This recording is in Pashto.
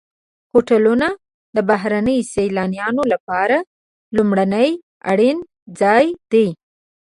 هوټلونه د بهرنیو سیلانیانو لپاره لومړنی اړین ځای دی.